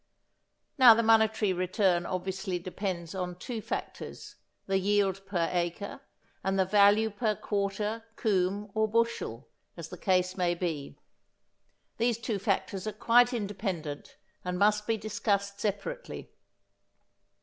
Now the monetary return obviously depends on two factors, the yield per acre and the value per quarter, coomb, or bushel, as the case may be. These two factors are quite independent and must be discussed separately.